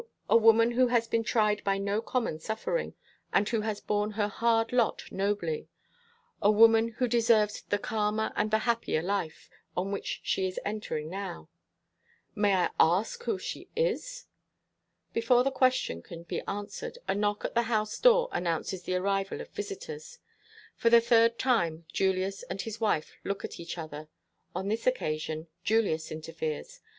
A woman who has been tried by no common suffering, and who has borne her hard lot nobly. A woman who deserves the calmer and the happier life on which she is entering now." "May I ask who she is?" Before the question can be answered, a knock at the house door announces the arrival of visitors. For the third time, Julius and his wife look at each other. On this occasion, Julius interferes.